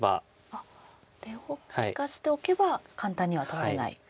あっ出を利かしておけば簡単には取られない。